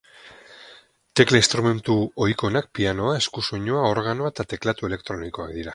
Tekla instrumentu ohikoenak pianoa, eskusoinua, organoa eta teklatu elektronikoak dira.